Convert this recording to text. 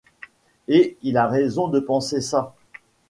Et il a raison de penser ça.